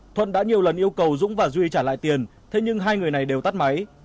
thuận đã nhiều lần yêu cầu dũng và duy trả lại tiền thế nhưng hai người này đều tắt máy